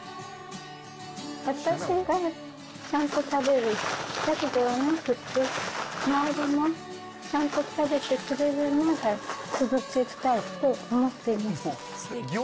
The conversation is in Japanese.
私がちゃんと食べるだけではなくて、周りもちゃんと食べてくれるなら、続けたいと思っています。